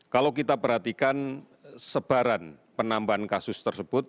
kalau kita perhatikan sebaran penambahan kasus tersebut